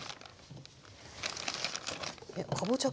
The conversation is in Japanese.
かぼちゃ